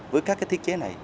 với các thiết chế này